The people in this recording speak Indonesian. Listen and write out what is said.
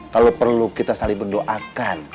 kalau perlu kita saling mendoakan